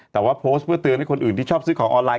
แต่ว่าโพสต์เพื่อเตือนให้คนอื่นที่ชอบซื้อของออนไลน